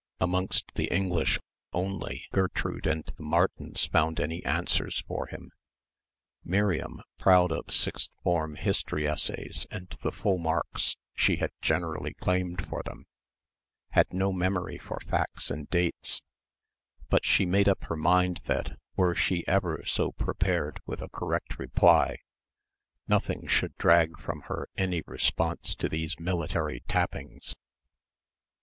Amongst the English only Gertrude and the Martins found any answers for him. Miriam, proud of sixth form history essays and the full marks she had generally claimed for them, had no memory for facts and dates; but she made up her mind that were she ever so prepared with a correct reply, nothing should drag from her any response to these military tappings.